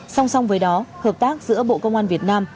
song song với đó hợp tác giữa bộ công an việt nam